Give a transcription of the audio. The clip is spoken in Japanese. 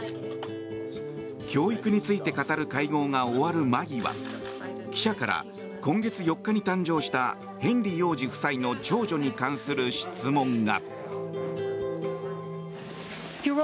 教育について語る会合が終わる間際、記者から今月４日に誕生したヘンリー王子夫妻の長女に関する質問が。